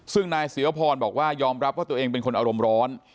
ซึ่งนายเสียวพรบอกว่ายอมรับว่าตัวเองเป็นคนอารมณ์ร้อน